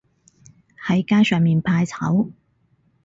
喺街上面怕醜